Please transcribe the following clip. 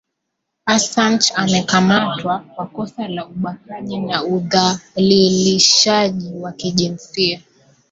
asanch amekamatwa kwa kosa la ubakaji na udhalilishaji wa kijinsia